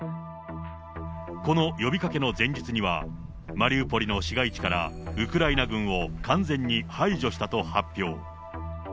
この呼びかけの前日には、マリウポリの市街地からウクライナ軍を完全に排除したと発表。